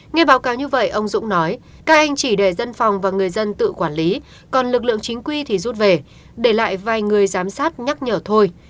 nghe báo cáo như vậy ông dũng nói các anh chỉ để dân phòng và người dân tự quản lý còn lực lượng chính quy thì rút về để lại vài người giám sát nhắc nhở thôi